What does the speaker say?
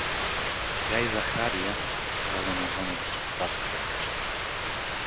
Сега и Захария се показа навън от господарската къща.